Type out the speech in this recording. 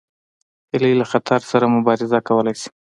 هیلۍ له خطر سره مبارزه کولی شي